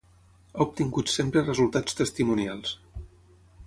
Ha obtingut sempre resultats testimonials.